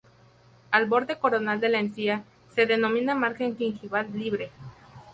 El borde coronal de la encía se denomina margen gingival libre.